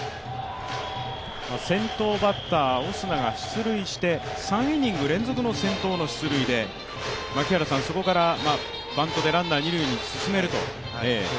先頭バッター、オスナが出塁して３イニング連続の先頭打者出塁で、そこからバントでランナー二塁に進めると。